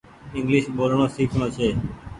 انگليش ٻولڻو سيکڻو ڇي۔